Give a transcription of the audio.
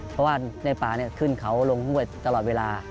เพราะว่าในป่าขึ้นเขาลงห้วยตลอดเวลา